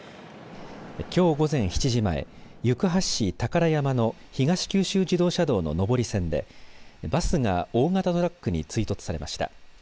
きょう午前７時前、行橋市宝山の東九州自動車道の上り線でバスが大型トラックに追突されました。